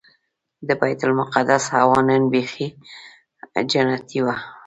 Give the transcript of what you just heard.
د بیت المقدس هوا نن بيخي جنتي وه.